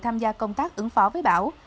tham gia công tác ứng phó với bão